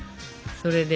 それで。